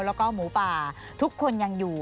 แล้วก็หมูป่าทุกคนยังอยู่